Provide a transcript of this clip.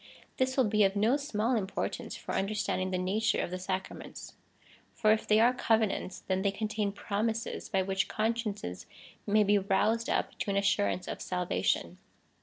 This will be of no small im portance for understanding the nature of the sacraments; for if they are covenants, then they contain promises, by which consciences may be I'oused up to an assurance of salvation.